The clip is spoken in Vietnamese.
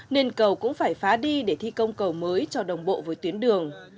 nên cầu cũng phải phá đi để thi công cầu mới cho đồng bộ với tuyến đường